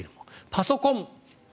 パソコン。